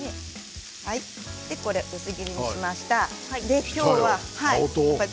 薄切りにしました。